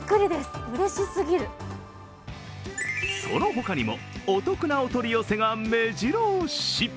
その他にも、お得なお取り寄せがめじろ押し。